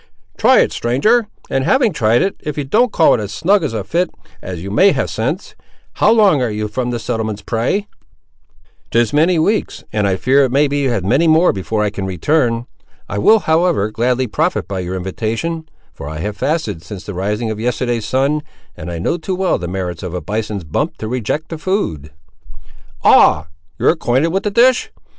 Try it, stranger; and having tried it, if you don't call it as snug a fit as you have made since—How long ar' you from the settlements, pray?" "'Tis many weeks, and I fear it may be as many more before I can return. I will, however, gladly profit by your invitation, for I have fasted since the rising of yesterday's sun, and I know too well the merits of a bison's bump to reject the food." "Ah! you ar' acquainted with the dish!